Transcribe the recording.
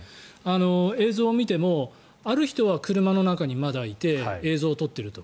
映像を見てもある人は車の中にまだいて映像を撮っていると。